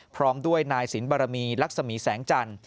พร้อมด้วยนายสินบรมีลักษมีแสงจันทร์